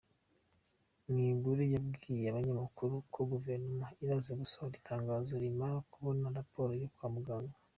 Mwigulu yabwiye abanyamakuru ko Guverinoma iraza gusohora itangazo nimara kubona raporo yo kwa muganga.